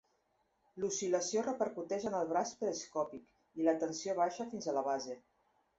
L'oscil·lació repercuteix en el braç periscòpic i la tensió baixa fins a la base.